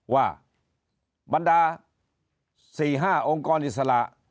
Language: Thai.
ว่าบรรดา๔๕องค์กรอิสระ